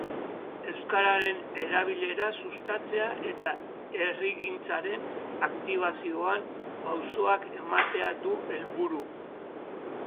Euskararen erabilera sustatzea eta herrigintzaren aktibazioan pausoak ematea du helburu.